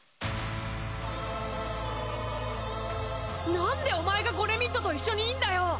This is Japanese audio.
何でお前がゴレミッドと一緒にいんだよ！？